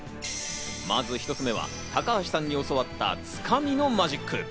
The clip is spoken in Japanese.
まず１つ目は高橋さんに教わったツカミのマジック。